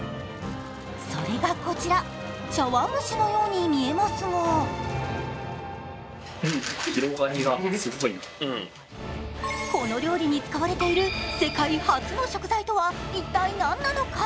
それがこちら、茶わん蒸しのように見えますがこの料理に使われている世界初の食材とは一体何なのか。